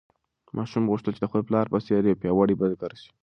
ماشوم غوښتل چې د خپل پلار په څېر یو پیاوړی بزګر شي.